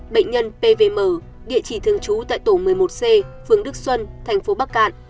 bệnh nhân pvm địa chỉ thường trú tại tổ một mươi một c phường đức xuân thành phố bắc cạn